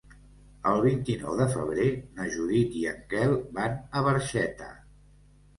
El vint-i-nou de febrer na Judit i en Quel van a Barxeta.